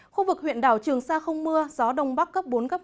khu vực huyện đảo trường sa không mưa gió đông bắc cấp bốn cấp năm